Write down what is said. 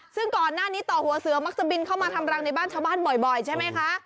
ซึ่งก่อนหน้านี้ต่อหัวเสือมักจะบินเข้ามาทำรังในบ้านชาวบ้านบ่อยใช่ไหมคะ